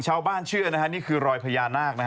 ชาวบ้านเชื่อเนี่ยคือรอยพญานาค